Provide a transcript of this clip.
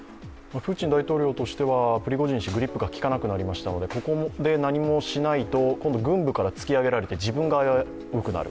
プーチン大統領としてはプリゴジン氏、グリップがきかなくなりましたので、ここで何もしないと、今度軍部から突き上げられて自分が危うくなる。